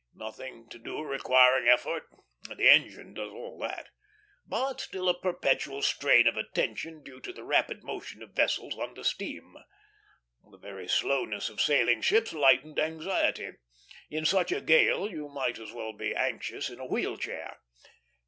Nothing to do requiring effort; the engine does all that; but still a perpetual strain of attention due to the rapid motion of vessels under steam. The very slowness of sailing ships lightened anxiety. In such a gale you might as well be anxious in a wheel chair.